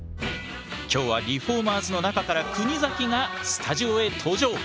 今日は「リフォーマーズ」の中から国崎がスタジオへ登場！